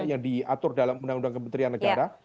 yang diatur dalam undang undang kementerian negara